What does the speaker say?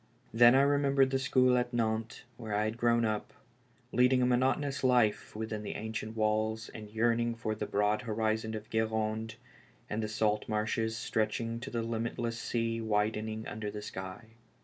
Then I remem bered the school at Nantes, where I had grown up, lead ing a monotonous life within the ancient walls and yearning for the broad horizon of Guerande, and the salt marshes stretching to the limitless sea widening under the sky.